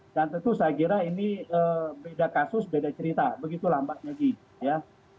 dan tentu saya kira ini beda kasus beda cerita begitu lambat lagi ya